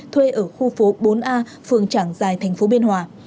thuê ở khu phố bốn a phường trảng giài tp biên hòa